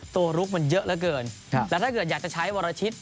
ลุกมันเยอะเหลือเกินแล้วถ้าเกิดอยากจะใช้วรชิต